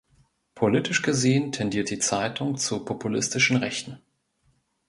Politisch gesehen tendiert die Zeitung zur populistischen Rechten.